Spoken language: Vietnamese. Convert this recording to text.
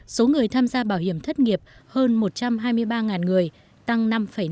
số người tham gia bảo hiểm thất nghiệp hơn một trăm hai mươi ba người tăng năm năm